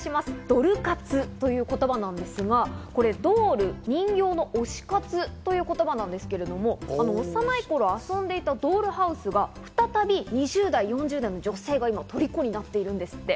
ドル活という言葉なんですが、ドール、人形の推し活という言葉なんですけど、幼い頃、遊んでいたドールハウスが再び２０代、４０代の女性が今、虜になっているんですって。